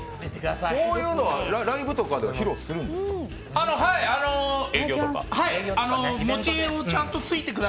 こういうのはライブとかでは披露するんですか？